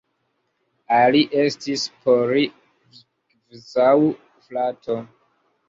Ali estis por li kvazaŭ frato.